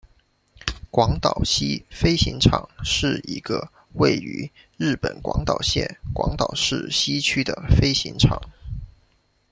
广岛西飞行场是一个位于日本广岛县广岛市西区的飞行场。